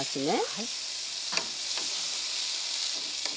はい。